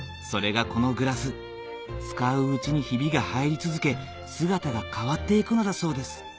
それがこのグラス使ううちにヒビが入り続け姿が変わっていくのだそうです